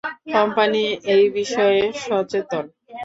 Company এই বিষয়ে সচেতন।